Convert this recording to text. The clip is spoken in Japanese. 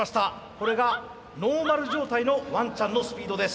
これがノーマル状態のワンちゃんのスピードです。